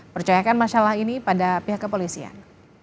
percayakan masalah ini pada pihak kepolisian